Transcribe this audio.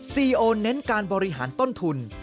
ซีโอเน้นการบริหารต้นทุน